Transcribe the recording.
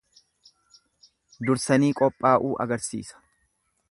Dursanii qophaa'uu agarsiisa.